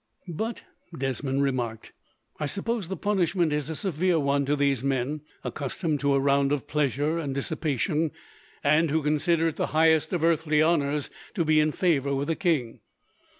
"But," Desmond remarked, "I suppose the punishment is a severe one to these men, accustomed to a round of pleasure and dissipation, and who consider it the highest of earthly honours to be in favour with the king.